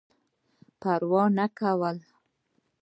پروا نه کوله.